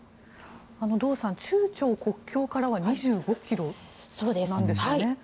堂さん、中朝国境からは２５ｋｍなんですよね。